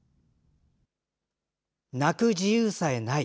泣く自由さえない。